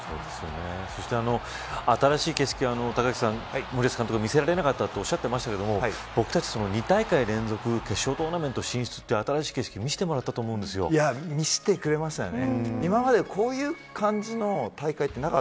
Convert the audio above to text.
そして、新しい景色隆行さん、森保監督は見せられなかったとおっしゃっていましたが僕たち２大会連続決勝トーナメント進出って新しい景色を見せてもらったと見せてくれましたね。